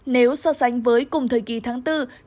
nếu so sánh với cùng thời kỳ tháng bốn